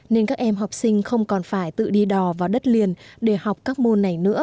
nên các em học sinh không còn phải tự đi đò vào đất liền để học các môn này nữa